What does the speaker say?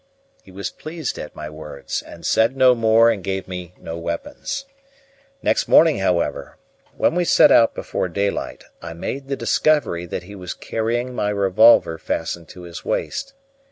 He was pleased at my words, and said no more and gave me no weapons. Next morning, however, when we set out before daylight, I made the discovery that he was carrying my revolver fastened to his waist.